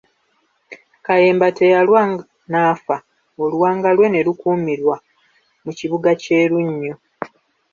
Kayemba teyalwa n'afa oluwanga lwe ne lukuumirwa mu kibuga kye Lunnyo.